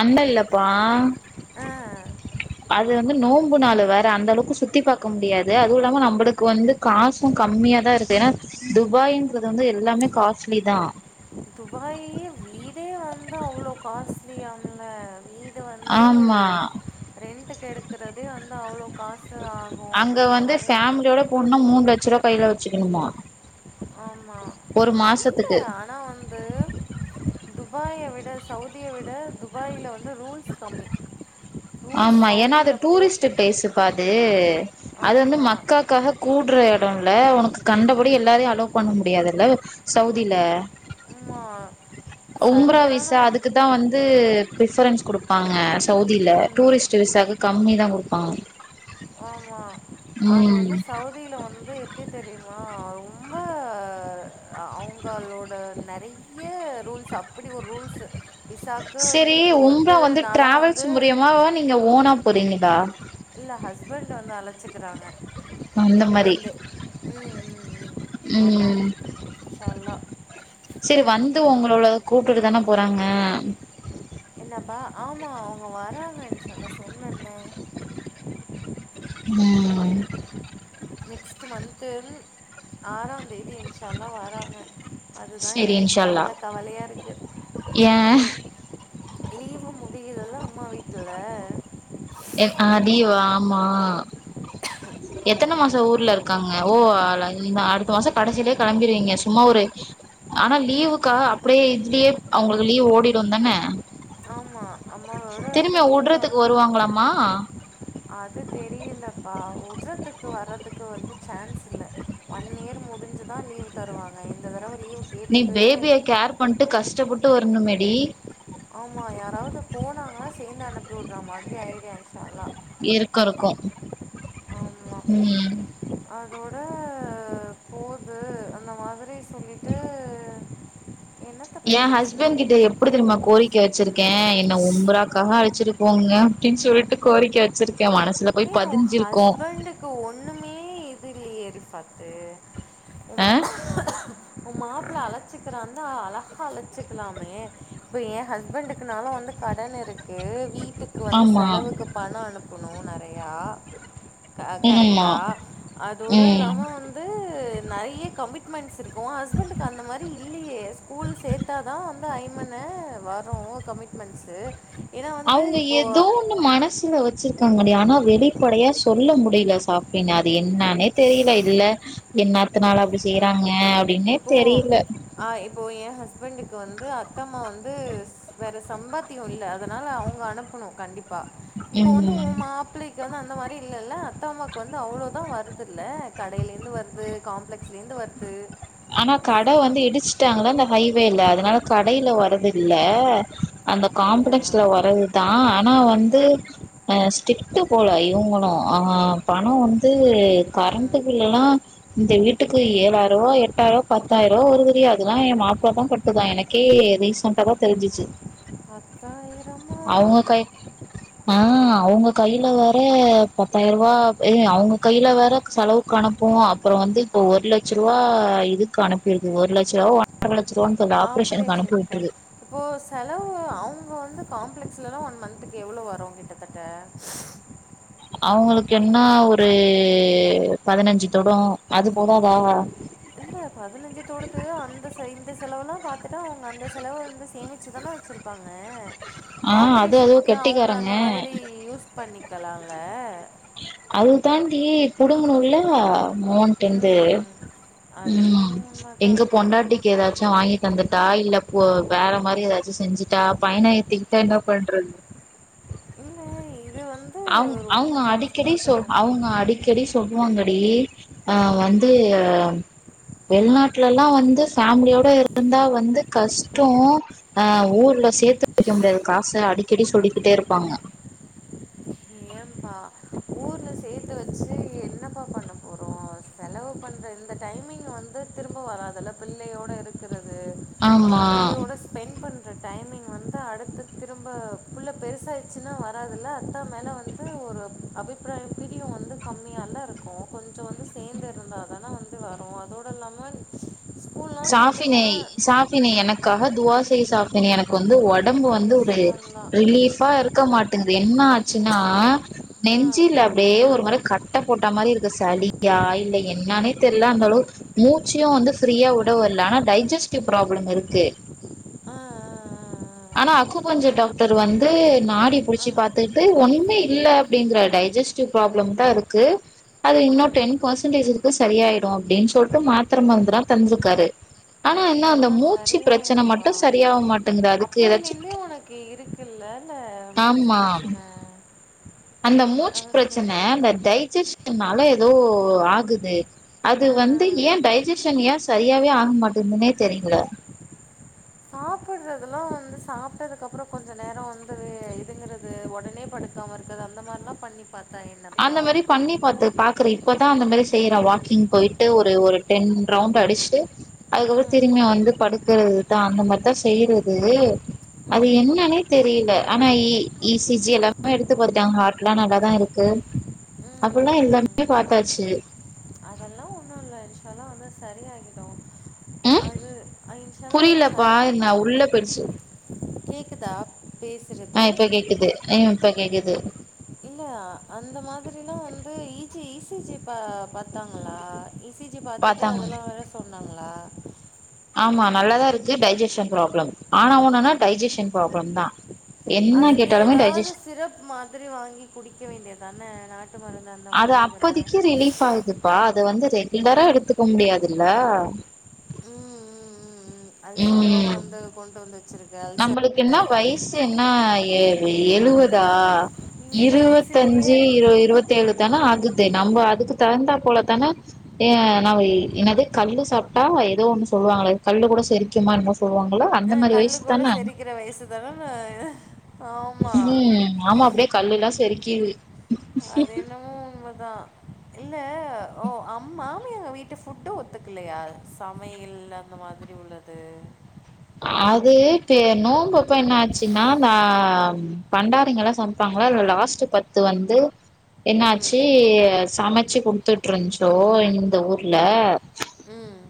அந்த இல்லபா ஆ அது வந்து நோம்பு நாள் வேற அந்த அளவுக்கு சுத்தி பாக்க முடியாது அதுல்லாம நம்படுக்கு வந்து காசு கம்மியாதா இருக்கு ஏனா துபாய்ன்றது வந்து எல்லாமே காஸ்லி தா துபாய்யே வீடே வந்து அவ்ளோ காஸ்ட்லி ஆங்க வீ டு வந்து ஆமா ரெண்டுக்கு எடுக்கறதே வந்து அவ்ளோ அங்க வந்து பேமிலியோட போனுனா மூணு லட்சர் ரூபா கைல வெச்சுகணுமா ஆமா ஆ இல்ல ஆனா வந்து துபாய விட சவுதிய விட துபாயில வந்து ரூல்ஸ் கம்மி ரூல்ஸ் ஆமா ஏனா அது சவுதியில் டூரிஸ்ட் போட்டு பிளேஸ்ஸு பா அது அதுவந்து ஆமாம் மக்காக்காக கூட்ற எடோல உனக்கு கண்டபடி எல்லாரயு அலோ பண்ண முடியாதுல்ல சவ்தில ஆமா உம்ராவிசா அதுக்குதா வந்து ப்ரிஃபரன்ஸ் குடுப்பாங்க சவுதில ம் டூரிஸ்ட்டு ம் விசாவுக்கு கம்மி தா குடுப்பாங் ஆமா அது வந்து ம் சவு தில வந்து எப்டி தெரியுமாா ரொம்ப அ அவங்களோட நறை ய வந்து ரூல்ஸ் அப்டி ஒரு ரூல்ஸு விசாக்கு செரி இப்போ உம்ரா வந்து நாலா டிராவல்ஸ் வந்து மூலியமாவா நீங்க ஓனா போறீங்கதா இல்ல ஹஸ்பண்ட் வந்து அழச்சுக்கிறாங்க அந்த மாரி அங்கருந்து ம் ம் ம் ஆமா ம் சொல்லா செரி வந்து உங்களோட கூப்ட்டுட்டு தான போறாங்க என்னப்பா ஆமா அவங்க வராங்க நீ சொல்ல சொன்னேல்ல ம் நெக்ஸ்ட் மந்த்தும் ஆறாம் தேதி விஷால வாராங்க அதுதா செரி எனக்கு இன்ஷால்லா கவல கவலையா இருக்கு நீ ஏ சொனல் லீவு முடியுலல அம்மா வீட்லல எ அடி வாமா எத்தன மாசோ ஊர்ல இருக்காங்க ஓ லைன் அடுத்த மாசோ கடைசிலே கெளம்பிருவிங்க சும்மா ஒரு ஆனா லீவுக்கா அப்டியே இதுலயே அவங்களுக்கு லீவ் ஓடிரு தான ஆமா அம்மா திரும்பிய வுட்றதுக்கு வருவாங்களாமா அது தெரியலப்பா வுட்றதுக்கு வரதுக்கு வந்து சான்ஸ் இல்ல ஒன் இயர் முடிஞ்சுதா லீவ் தருவாங்க இந்த தடவ லீவு நீ கேட்டது பேபிய கேர் பண்ட்டு கஷ்டப்பட்டு வரணுமேடி ஆமா யாராவது போனாங்கன்னா சேந்து அனுப்பி வுட்ற மாரி ஐடியா என இருக்கருக்கூ ஆமாம் ம் அதோட போது அந்த மாதிரி சொல்லிட்டு என்னத்தை எ பற்றி ஹஸ்பண் பேசினேன் கிட்ட எப்டி தெரியுமா கோரிக்க வெச்சிருக்கே என்ன உம்ராக்காக அழச்சிட்டு போங்க அப்டின் சொல்ட்டு கோரிக்க வச்சிருக்கே மனசுல போய் பதிஞ்சிருக்கோ து ஒண்ணுமே இதுல்லியே ரிஃபாட்டு உம் அ உ மாப்ள அழச்சிக்கிறான்னா அழகா அழச்சிக்கலாமே இப்போ எ ஹஸ்பண்டுக்குனாலு வந்து கடனிருக்கு வீட்டுக்கு வந்து ஆமா செலவுக்கு பணோ அனுப்பனு நெறையா க ஆமா கரெக்ட்டா அதோட ம் இல்லாம வந் [inaudible] து நெய்ய கமிட்மெண்ட்ஸ் இருக்கோ ஹஸ்பண்ட்க்கு அந்த மாரி இல்லியே ஸ்கூல் சேத்தா தா வந்து அய்மணு வரு கமிட்மென்ட்ஸு அவங்க ஏதோ ஒன்னு மனசு ல வெச்சிருக்காங்கடி ஆனா வெளிப்படையா சொல்ல முடியில சோஃபினா அது என்னானே தேயில இல்ல என் நாத்தனார் அப்டி செய்றாங்க அ இப்போ ஆ இப்போ எ ஹஸ்பண்டுக்கு வந்து அத்தம்மா வந்து வேற சம்பாத்தியோ இல்ல அதனால அவங்க அனுப்பனு கண்டிப் பா இப்போ வந்து ம் உ மாப்ளைக்கு வந்து அந்த மாரி இல்லல அத்தா அம்மாக்கு வந்து அவ்ளோதா வரு துல்ல கடையிலெருந்து வருது காம்ப்ளெக்ஸ்லேந்து வருது ஆனா கட வந்து இடிச்சுட்டாங்கள அந்த ஹைவேல அதனால கடையில வரது இல்ல அந்த அப்படியா காம்ப்ளெக்ஸ்ல வரதுதா ஆனா வந்து அ ஸ்டிக்ட போல இவங்களும் அ பணம் வந்து ம் கரண்டு பில் எல்லா இந்த வீட்டுக்கு ஏழாயிரம் ரூபா எட்டாயிரம் பத்தாயிரம் ஒரு வரது டி அதுஎல்லா எ மாப்பிள்ள தா கட்டுதா எனக்கே ரீசெண்டா தா தெரிஞ்சிச்சு பத்தாயிரமா அவங்க கை ஆ அவங்க கையில வேற பத்தாயிரம் ரூபா ஏ அவங்க கையில வேற செலவுக் அனுப்போ அப்புறம் வந்து இப்போ ஒரு லட்சம் ரூபா இதுக்கு அனுப்பிருக்கு ஒருலட்ச ஒன்ற லட்ச ரூபாவா தெரில ஆபரேஷனு ஆப்ரேஷனுக்கா அனுப்பிவிட்டுருக்கு இப்போ செலவு அவங்க வந்து காம்ப்ளெக்ஸ்லலா ஒன் மந்த்துக்கு எவ்ளோ வரும் கிட்டத்தட்ட அவங்களுக்கு என்ன ஒரு பதினஞ்சு தொடும் அது போத அதா இந்த பதினஞ்சுத்தோடுக்கு அந்த இந்த செலவுல்லா பாத்துட்டா அவங்க அந்த செலவு வந்து சேமிச்சு தான வச்சிருப்பாங்க ஆ அது அதுவு ஆபரேஷனுக்கு அவங்க கெட்டிக்காரங்க அந்த மாதிரி யூஸ் பண்ணிக்கலால அது தாண்டி குடுங்கணுள்ள மொ இருந்து ம். அது ம் என்னமோ எங்க உண்மதான். ம். பொண்டாட்டிக்கு ஏதாச்சு வாங்கி தந்துட்டா இல்ல வேற மாரி ஏதாச்சும் செஞ்சுட்டா பையன இழுத்துட்டா என்ன பண்ணுறது இல்ல இது வந்து அவ ரொம்ப அவங்க அடி க்கடி கஷ்டம் சொ தெரியுமா? அவங்க அடிக்கடி சொல்லுவாங்க டி அ ம். வந்து வெளிநாட்டுல எல்லா வந்து ஃபேமிலியோட இருந்தா வந்து கஷ்டே அ ஊர்ல சேர்த்து வைக்க முடியாது காச அடிக்கடி சொல்லிக்கிட்டே இருப்பாங்க ஏபா ஊர்ல சேர்த்து வச்சு என்னப்பா பண்ண போறோ செலவு பண்ற இந்த டைமிங் வந்து திரும்ப வராதுல்ல பிள்ளையோட இருக்கிறது ஆமா புள்ளையேட ஸ்பெண்ட் பண்ற டைமிங் வந்து அடுத்து திரும்ப புள்ள பெருசா இன்னு வராதுல்ல அத்தா மேல வந்து ஒரு அபிப்பிராயம் பிரியம் வந்து கம்மியால இருக்கு கொஞ்ச வந்து சேர்ந்து இருந்தா தா வந்து வரும் அதோட இல்லாம ஸ்கூல்லாம் சாஃபினை சேர்த்துட்டோன்னா சாஃபினை எனக்காக துவா செய் சாஃபினி எனக்கு வந்து உடம்பு வந்து ஒரு ந ப்ப இருக்க மாட்டேங்கு என்ன ஆச்சுன்னா ஆ நெஞ்சில அப்டியே ஒரு மாரி கட்ட போட்ட மாரி இருக்கு சளியா இல்ல என்னானே தெரியல அந்தளவு மூச்சு வந்து ஃப்ரீயா உடவரல ஆனா டைஜெஸ்டிவ் ப்ராப்ளம் இருக்கு ஆ ஆ ஆனா அக்குபஞ்ச டாக்டர் வந்து நாடி ஆ ஆ புடிச்சி பாத்துட்டு ஒண்ணமே இல்ல அப்டிங்கற டைஜஸ்ட் ப்ராப்ளம் தா இருக்கு அது ஆ இன்னும் ம் டென் பர்சன்டேஜ்கக்கு சரிய ஆயிடும் அப்டின்னு சொல்லிடு மாத்திர மருந்தேல்ல எல்லா தந் இருக்காரு ஆனா இன்ஷா என்ன அந்த அல்லாஹ் மூச்சு பிரச்சன சரியாயிடும்பா மட்டும் சரியா மாட்டேங்குது அதுக்கு ஏதாச்சு ஏய் இருக்குல்ல இல்ல மூச்சி ஆமா பிரச்சன அந்த மூச்சு பிரச்சன அந்த டைஜஷன்னால ஏதோ ஆகுது ஆ அது ஆ. வந்து ஏன் டைஜஷன் ஏன் சரியாவே ஆகமாட்டேதுன்னே தெரியல சாப்பிடுறதுெல்லா வந்து சாப்பிட்டதுக்கு அப்புறம் கொஞ்சம் நேரம் வந்து இதுங்கறது உடனே படு இருக்குது அந்த மாரிலாம் பண்ணி பத்தா ஆய்டுது அந்த மாரி பண்ணி பாத்து பாக்குறே இப்பதா அந்த மாரி செய்யறேன் வாக்கிங் போயிட்டு ஒரு டென் ரவுண்ட் அடிச்சு அதுக்கப்பற ம் திரும்மியா வந்து படுக்கறது தா அந்த மார்தா செய்யுறது ம் அது ம், என்னான்னே தெரியில ஆனா ஈ ஈ சி ஜி எல்லாமே எடுத்து பாத்துட்டாங்க ஹாட்லா நல்லாதா இருக் க்கு அப்பில்லா எல்லாமே பா்த்தாச்சு அதல்லா ஒண்ணுஇல்ல சரிஷ்வல்லா வந்து சரியாகிடு ம் புரியலப்பா இது நா உள்ள பொய்டுச்சு கேக்குதா பேஸ் ஆ இப்ப கேக்குது ம் இப்ப கேக்குது இல்ல அந்த மாதிரில்லா வந்து ஈஜு ஈ சி ஜி பா பாத்தாங்களா இ சி ஜி பாத்துட்டு பாத்தாங்க அதெல்லா வேற சொன்னாங்ளா ஆம்மா நல்லாதாருக்கு டைஜ்ஜஸன் ப்ராப்ளம் ஆனா ஊன்னான்னா டைஜ்ஜஸன் ப்ராப்ளம் தா என்ன அதுக்கு கேட்டாலுமே ஏதாவது டைஜெஷ் சிரப் மாதிரி வாங்கி குடிக்க வேண்டியதானே நாட்டு மருந்து அந் அது அப்பதிக்கி ரிலீஃப் ஆகுதுப்பா அதுவந்து ரெகுலரா எடுத்துக்க முடியாதுல்ல ம் ம் ம் அல்சருவேற ம் வந்து கொண்டு வந்து வச்சிருக்கு அல்சர் நம்மளுக்கு வேற என்னா இருக்கு வயசு என்னா வெ எழுவதா இந்த வயசுலயே இருவத்தஞ்சு இருவ இருவத்தேழு தான ஆகுது நம்ய அதுக்கு தகுந்தா போலதான ஏ நாவு என்னது கல்லு சாப்ட்டா ஏதோ ஒண்ணு சொல்லுவாங்களே கல்லு கூட செரிக்குமா என்மோ போவாங்கள அந்த அ மாரி கல்லு வய்சு கூட செரிக்கிற வயசுதான ம் ஆம்மா அப்டே கல்லுல்லா செரிக்கிது அது என்னமொ உண்மதா இல்ல ஓ அம் மாமி எங்க வீட்டு ஃபுட்டு ஒத்துக்கிலையா சமையல் அந்த மாதிரி உள்ள து அது ப்ப நோன்ம்ப்ப என்னாச்சுன்னா நா பண்டாரிங்கல்லா சம் பாங்கல்ல அதுல லாஸ்ட்டு பத்து வந்து ம் என்னாச்சு சமச்சு குடுத்துட்ருச்சோ இந்த ஊர்ல ம்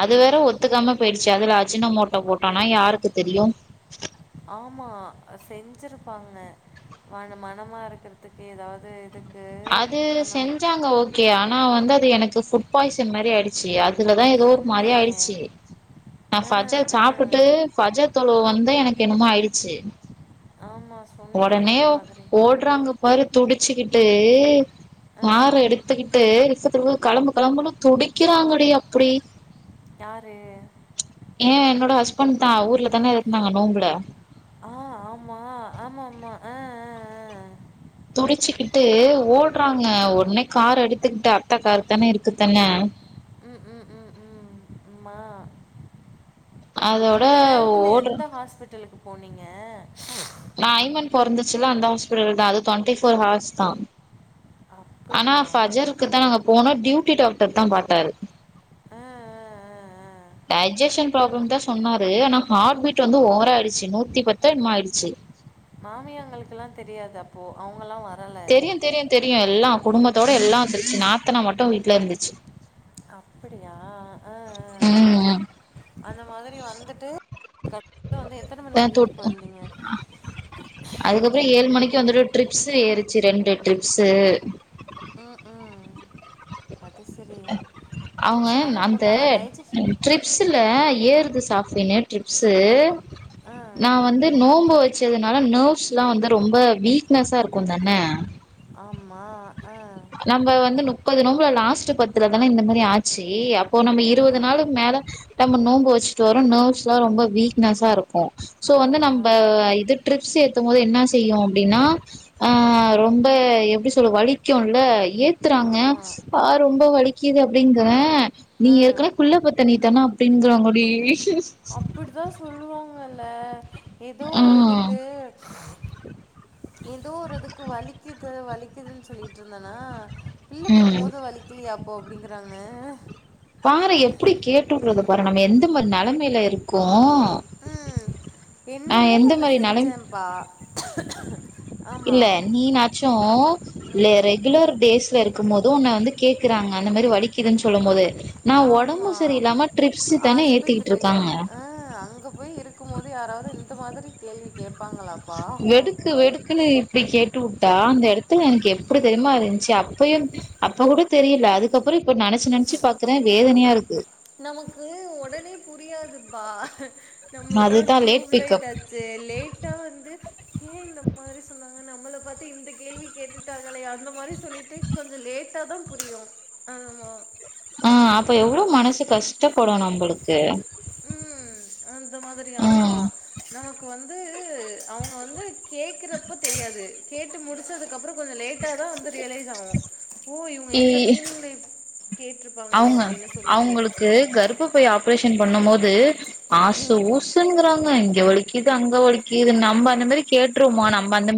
அது வேற ஒத்துக்காம பெய்டுச்சு அதுல அஜினமோட்டோ போட்டோனா யாருக்கு தெரியு ஆம்மா செஞ்சிருப்பாங்க மன மனமா இருக்கற்துக்கு எதாவ்து இது அது செஞ்சாங்க ஓக்கே ஆனா வந்து அது எனக்கு புட் பாய்சன் மாரி அய்டு ச்சி அதுலதா ஏதோ ஒரு மாரியா சொன்னியே ஆயிடுச்சு நா ஆ பஜல் ஆ சாப் ட்டு பஜ தொள வந்த எனக்கு என்னமோ ஆய்டுச்சு ஆம்மா ஒடனே ஓட்றாங்க பாரு துடிச்சுக்கிட்டு ஆ காரு எடுத்துக்கிட்டு இஃப்த்திலி களம்பு களம்புன்னு துடிக்கிறாங்கடி அப்புடி யாரு ஏ என்னோட ஹஸ்பண்ட்தா ஊர்லதானே இருந்தாங்க நோம்புல ஆ ஆம்மா ஆம்மா ஆம்மா ஆ ஆ ஆ துடிச்சுக்கிட்டு ஓட்றாங்க ஒட்னே கார் எடுத்துக்கிட்டு அத்த காருதான்னே இருக்குதானே ம் ம் ம் ம் மா அதோட அந்த நேரத்துல ஓட்ற எந்த ஹாஸ்பிட்டலுக் போனீங்க நா ஐமன் பொறந்துச்சுல்ல அந்த ஹாஸ்பிடல்தா அது ட்வெண்ட்டி ஃபோர் ஹார்ஸ்தா ஆனா அப்படியா ஆ, ஃபஜருக்கு தா நாங்க போனோ டியூட்டி டாக்டர் தா பாத்தாரு ஆ ஆ டைஜஷன் ப்ராபுளம் தா சொன்னாரு ஆனா ஹார்ட் பீட் வந்து ஓவரா ஆயிருச்சு நூத்தி பத்தோ என்னமோ ஆயிடுச்சு மாமியங்களுக்கெல்லா தெரியாது அப்போ அவங்கல்லா வரல தெரியு தெரியு தெரியு எல்லா குடும்பத்தோட எல்லா வந்துச்சு நாத்தனா மட்டு வீட்ல இருந்துச்சு அப்புடியா ஆ ஆ ம் அந்த மாதிரி வந்துட்டு கட்டா வந்து எத்தன மணிக்கு வீட்டுக்கு வந்தீங்க அதுக்கப்புறோ ஏழ் மணிக்கு வந்துட்டு ட்ரிப்ஸ்ஸு ஏறுச்சு ரெண்டு ட்ரிப்ஸ்ஸு ம் ம் அது செரிங் அவங்க அந்த ட்ரிப்ஸுல ஏறுது சாப்ட்வின்னு ட்ரிப்ஸ்ஸு ஆ நா வந்து நோம்பு வெ வெச்சதுனால நோவ்ஸ்தா வந்து ரொம்ப வீக்னஸ்ஸா இருக்குந்தான ஆமா அ நம்ம வந்து முப்பது நோம்புல லாஸ்ட்டு பத்துல தான இந்த மாரி ஆச்சி அப்போ நம்ம ஆ இருவது நாளு மேல நம்ம நோம்பு வெச்சுட்டு வரோ நோவ்ஸ் எல்லா ரொம்ப வீக்னஸா இருக்கு சோ வந்து நம்ப ஆமாம் இது ட்ரிப்ஸ்ஸு ஏத்தும் போது என்ன செய்யு அப்டின்னா அ ஆ ரொம் ம்ப எப்டி சொல்ல வலிக்குல்ல ஏத்துறாங்க ஆமாம் ஆ ரொம்ப வலி க்கிது அப்டிங்குற நீ ஆ ஏற்கனவே குள்ளா பத்தனி தான அப்டிங்கறாங்கடி அப்டித்தா சொல்லுவாங்கல்ல எதோ ஆ ஒரு இதுக்கு எதோ ஒரு இதுக்கு வலிக்குது வலிக்குதுன்ஸ் சொல்லிட்ருந்தன்னா பிள்ள பெக்கும் ம் போது வலிக்குலியாப்போ அப்டிங்கறாங்க பாரு எப்டி கேட்டு உட்றுது பாரு நம்ம எந்த மாரி நெலைமையில இருக்கோ ம் ஆ என்னமோ எந்த ஒன்னு மாரி நெலை செஞ்சேம்ப்பா இல்ல நீனாச்சு இல்ல ம் ரெகுலர் டேஸ்ல இருக்கும் போது உன்ன வந்து கேக்குறாங்க இந்த மாரி வலிக்குதுன் சொல்லும் போது நா ஒடம்பு ஆமா சரியில்லாம ட்ரிப்ஸ் தானே ஏத்திக்கிட்டு ஆஸ்பத்திரில இருக்காங்க அ அங்க போய் இருக் க்கும் போது யாராவது இந்த மாதிரி கேள்வி கேப் வெடுக்கு வெடுக் க்குனு இப்டி கேட்டு உட்டா அந்த எடத்துல எனக்கு எப்டி தெரியுமா இருந்துச்சு அப்பயும் அப்ப கூட தெரியல அதுக்கப்பறோ இப்போ நெனச்சு நெனச்சு பாக்குற வேதனையா இருக்கு நமக்கு ஒடனே புரியாதுப்பா நம்ம தா அதுதா லேட் டியூப்லைட் பிக்கப் ஆச் ச்சு லேட்டா வந்து ஏ இந்த மாரி சொன்னாங்க நம்மள பாத்து இந்த கேள்வி கேட்டுட்டாங்களே அந்த மாரி சொல்லிட்டு கொஞ்ச லேட்டா தாம் புரியு ஆமா ஆ அப்ப எவ்ளோ மனசு கஷ்டப்படு நம்பளுக்கு ம் அந்த மாதிரி ஆமா ம் நமக்கு வந்து அவங்க வந்து கேக்குறப்பத் தெரியாது கேட்டு முடுச்சதுக்கப்பறோ கொஞ்ச லேட்டா தா வந்து ரியலைஸ் ஆகு ஓ இவங்க இந்த இ மீனிங்ல கேட்ருப்பாங்ளோ அப்டின்னு சொல்லிட்டு ட்டு கர்ப்ப பைய் ஆப்ரேஷன் பண்ணும் போது ஆசு ம் ஊஸ் சுங்கராங்க இங்க வலிக்குது அங்க வலிக்குது நம்ம அந்த மாரி கேட்ருமா நம்ம அந்த மா